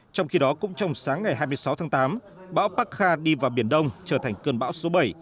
trong khi đó cũng trong sáng ngày hai mươi sáu tháng tám bão park kha đi vào biển đông trở thành cơn bão số bảy